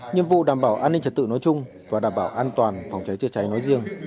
nhiệm vụ đảm bảo an ninh trật tự nói chung và đảm bảo an toàn phòng cháy chữa cháy nói riêng